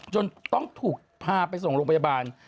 จนต้องถูกพาไปส่งโรงพยาบาล